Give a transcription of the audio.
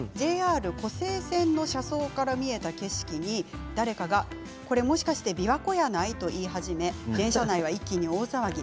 ＪＲ湖西線の写真から見えた景色に誰かが、これもしかして琵琶湖やない？と言い始め電車内では一気に大騒ぎ。